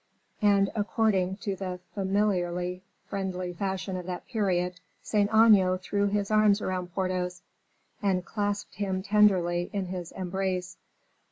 And, according to the familiarly friendly fashion of that period, Saint Aignan threw his arms round Porthos, and clasped him tenderly in his embrace.